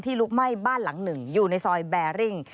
ลุกไหม้บ้านหลังหนึ่งอยู่ในซอยแบริ่ง